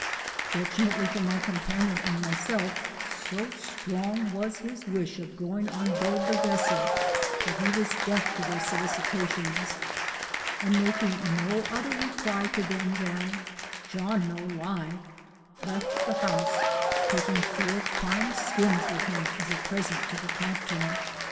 Fortunately for my companion and myself, so strong was his wish of going on board the vesssl, that he was deaf to their solicitations, and making no other reply to them, than, '• John no lie," left the house, taking four prime skins with him as a present to the captain.